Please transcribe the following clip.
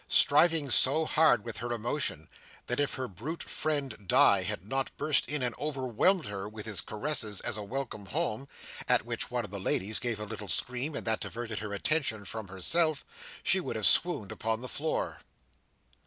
Striving so hard with her emotion, that if her brute friend Di had not burst in and overwhelmed her with his caresses as a welcome home—at which one of the ladies gave a little scream, and that diverted her attention from herself—she would have swooned upon the floor.